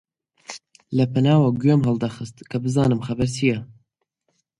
لەپەناوە گوێم هەڵدەخست کە بزانم خەبەر چییە؟